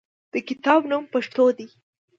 د کتاب نوم "پښتو" دی.